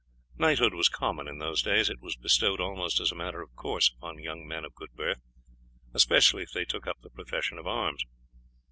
Knighthood was common in those days; it was bestowed almost as a matter of course upon young men of good birth, especially if they took up the profession of arms.